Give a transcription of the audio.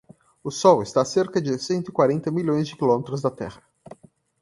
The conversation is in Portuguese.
O Sol está a cerca de cento e quarenta milhões de quilómetros da Terra.